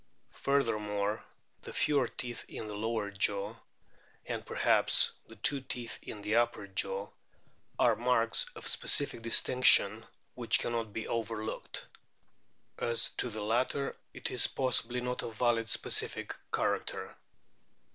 Furthermore, the fewer teeth in the lower jaw and perhaps the two teeth in the upper jaw are marks of specific distinction which cannot be overlooked. As to the latter it is possibly not a valid specific character.